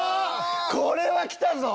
これは来たぞ！